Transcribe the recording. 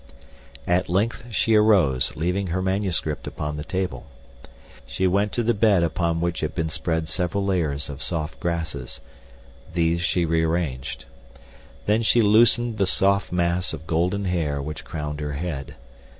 At length she arose, leaving her manuscript upon the table. She went to the bed upon which had been spread several layers of soft grasses. These she rearranged. Then she loosened the soft mass of golden hair which crowned her head.